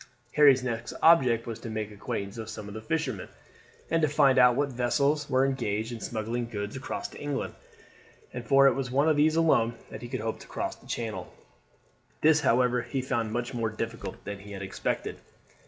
Harry's next object was to make the acquaintance of some of the fishermen, and to find out what vessels were engaged in smuggling goods across to England; for it was in one of these alone that he could hope to cross the Channel. This, however, he found much more difficult than he had expected.